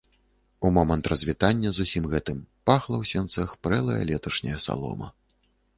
У момант развітання з усім гэтым пахла ў сенцах прэлая леташняя салома.